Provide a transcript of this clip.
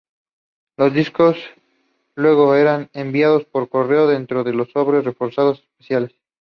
Los discos luego eran enviados por correo dentro de sobres reforzados especiales.